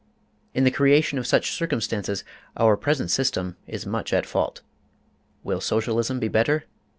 In the creation of such circumstances our present system is much at fault. Will Socialism be better?